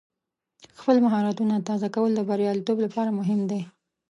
خپل مهارتونه تازه کول د بریالیتوب لپاره مهم دی.